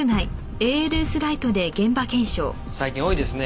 最近多いですね。